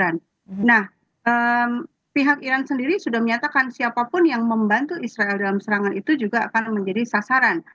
nah pihak iran sendiri sudah menyatakan siapapun yang membantu israel dalam serangan itu juga akan menjadi sasaran